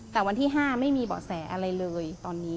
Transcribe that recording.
แต่วันที่๕ไม่มีเบาะแสอะไรเลยตอนนี้